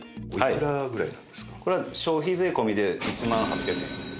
これは消費税込みで１万８００円です。